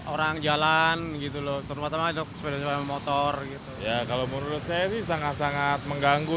orang jalan gitu loh terutama untuk sepeda sepeda motor gitu ya kalau menurut saya sih sangat sangat mengganggu